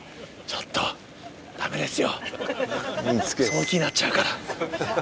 その気になっちゃうから。